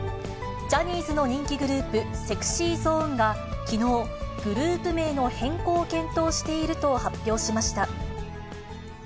ジャニーズの人気グループ、ＳｅｘｙＺｏｎｅが、きのう、グループ名の変更を検討していると発表しました。